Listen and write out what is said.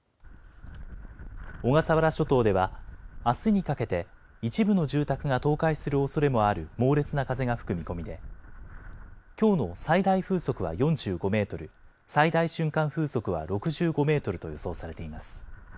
小笠原諸島では、あすにかけて一部の住宅が倒壊するおそれもある猛烈な風が吹く見込みで、きょうの最大風速は４５メートル、最大瞬間風速は６５メートルと予想されています。